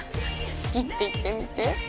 好きって言ってみて？